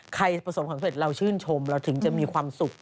ใครประสบความผลิตเราชื่นชมเราถึงจะมีความสุข